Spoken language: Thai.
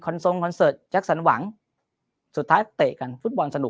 ทรงคอนเสิร์ตแจ็คสันหวังสุดท้ายเตะกันฟุตบอลสนุก